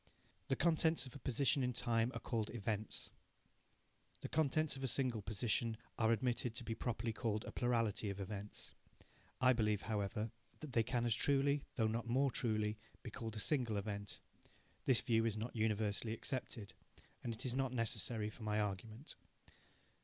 The contents of a position in time are called events. The contents of a single position are admitted to be properly called a plurality of events. (I believe, however, that they can as truly, though not more truly, be called a single event. This view is not universally accepted, and it is not necessary for my argument.)